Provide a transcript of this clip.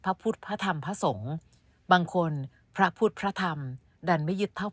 พระพุทธพระธรรมพระทรงบางคนเพื่อพูดพระธรรมดันไม่ยึดเท่า